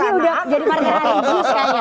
ini udah jadi makna religius